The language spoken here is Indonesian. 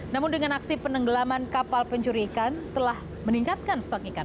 namun dengan aksi penenggelaman kapal pencuri ikan telah meningkatkan stok ikan